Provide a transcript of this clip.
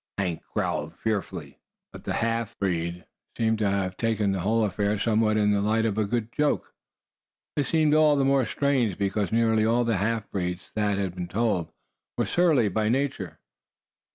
Hank growled fearfully, but the half breed seemed to take the whole affair somewhat in the light of a good joke. This seemed all the more strange because nearly all half breeds, Thad had been told, were surly by nature.